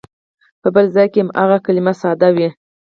په بل ځای کې هماغه کلمه ساده وي.